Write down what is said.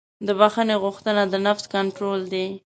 د بښنې غوښتنه د نفس کنټرول دی.